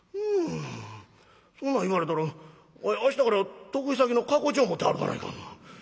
そんなん言われたらわい明日から得意先の過去帳持って歩かないかん。